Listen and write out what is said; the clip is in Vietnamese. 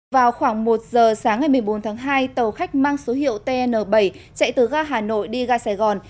vào khoảng một giờ sáng ngày một mươi bốn tháng hai tàu khách mang số hiệu tn bảy chạy từ ga hà nội đi ga sài gòn